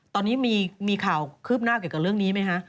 ตอนนี้มีข่าวคืบหน้าเกี่ยวกับเรื่องนี้ไหมคะ